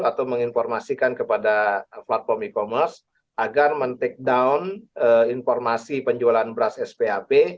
atau menginformasikan kepada platform e commerce agar men take down informasi penjualan beras sphp